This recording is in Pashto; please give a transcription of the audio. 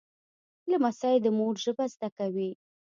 لمسی د مور ژبه زده کوي.